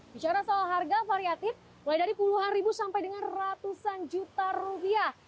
bicara soal harga variatif mulai dari puluhan ribu sampai dengan ratusan juta rupiah